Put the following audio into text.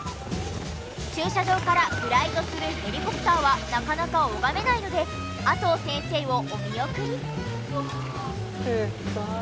駐車場からフライトするヘリコプターはなかなか拝めないので麻生先生をお見送り。